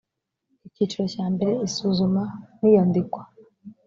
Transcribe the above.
icyiciro cya mbere isuzuma n iyandikwa